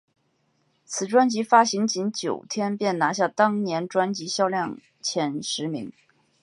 此专辑发行仅九天便拿下当年专辑销售量前十名。